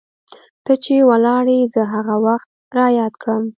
ته چې ولاړي زه هغه وخت رایاد کړم